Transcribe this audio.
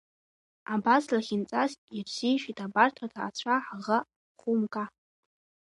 Абас лахьынҵас ирзишеит абарҭ аҭаацәа ҳаӷа хәымга.